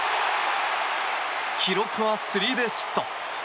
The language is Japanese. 記録はスリーベースヒット。